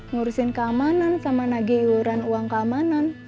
ngurusin keamanan sama nagi iuran uang keamanan